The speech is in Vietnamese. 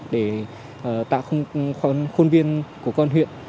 để tạo khuôn viên của công an huyện